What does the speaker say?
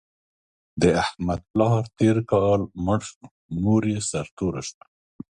د احمد پلار تېر کال مړ شو، مور یې سرتوره شوه.